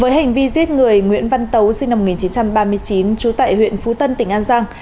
với hành vi giết người nguyễn văn tấu sinh năm một nghìn chín trăm ba mươi chín trú tại huyện phú tân tỉnh an giang